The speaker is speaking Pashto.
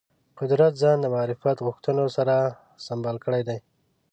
قدرت ځان د معرفت غوښتنو سره سمبال کړی دی